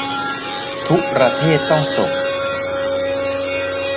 ทุกประเทศต้องส่ง